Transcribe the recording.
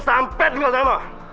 sampai dengan lama